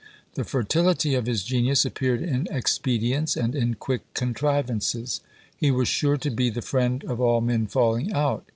The fertility of his genius appeared in expedients and in quick contrivances. He was sure to be the friend of all men falling out.